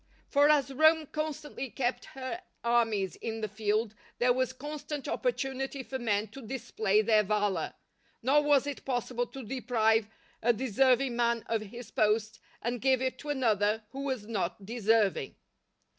For as Rome constantly kept her armies in the field, there was constant opportunity for men to display their valour, nor was it possible to deprive a deserving man of his post and give it to another who was not deserving.